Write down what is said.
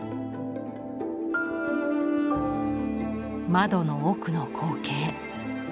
窓の奥の光景。